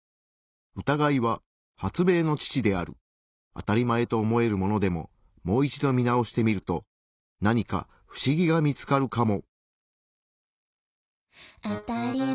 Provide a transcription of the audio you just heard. あたりまえと思えるものでももう一度見直してみるとなにかフシギが見つかるかも。